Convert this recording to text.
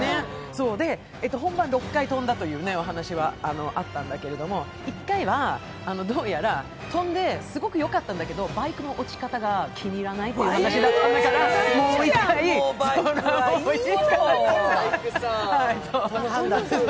本番、６回飛んだというお話はあったんだけれども、１回はどうやら、飛んですごくよかったんだけど、バイクの落ち方が気に入らないという話になってそれぐらいいいよ。